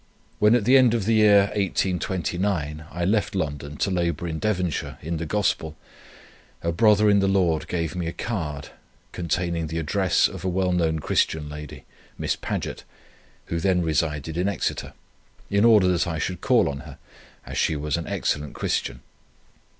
When at the end of the year 1829, I left London to labour in Devonshire in the Gospel, a brother in the Lord gave to me a card, containing the address of a well known Christian lady, Miss Paget, who then resided in Exeter, in order that I should call on her, as she was an excellent Christian.